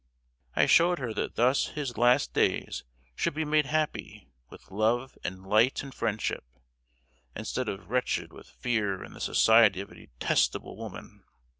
I showed her that thus his last days should be made happy with love and light and friendship, instead of wretched with fear and the society of a detestable woman.